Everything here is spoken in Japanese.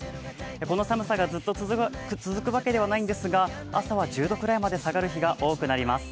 この寒さがずっと続くわけではないんですが、朝は１０度ぐらいまで下がる日が多くなります。